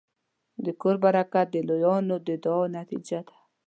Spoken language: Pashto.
د کور برکت د لویانو د دعاوو نتیجه ده.